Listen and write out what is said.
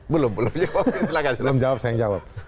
belum belum jawab